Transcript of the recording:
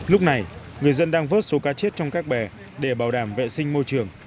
lúc này người dân đang vớt số cá chết trong các bè để bảo đảm vệ sinh môi trường